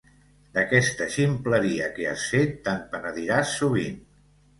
D'aquesta ximpleria que has fet, te'n penediràs sovint.